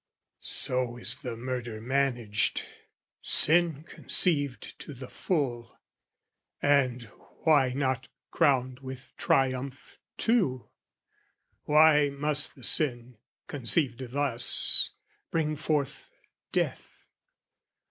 So is the murder managed, sin conceived To the full: and why not crowned with triumph too? Why must the sin, conceived thus, bring forth death?